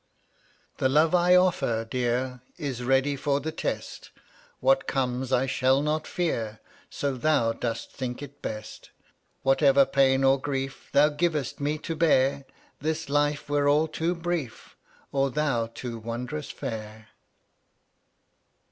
158 The love I offer, Dear, Is ready for the test; What comes I shall not fear, So thou dost think it best. Whatever pain or grief Thou givest me to bear, This life were all too brief — Or thou too wondrous fair.